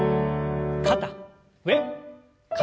肩上肩下。